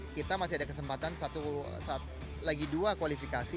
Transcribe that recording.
kita masih ada kesempatan satu lagi dua kualifikasi